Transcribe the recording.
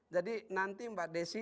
jadi nanti mbak desi